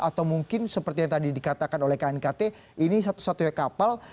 atau mungkin seperti yang tadi dikatakan oleh knkt ini satu satunya kapal